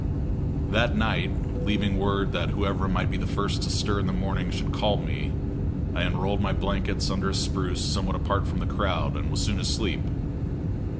That night, leaving word that whoever might be the first to stir in the morning should call me, I unrolled my blankets under a spruce somewhat apart from the crowd, and was soon asleep.